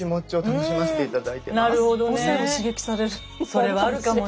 それはあるかもね。